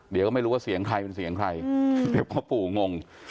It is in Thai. เดี๋ยวก็ไม่รู้ว่าเสียงใครเป็นเสียงใครเดี๋ยวพ่อปู่งง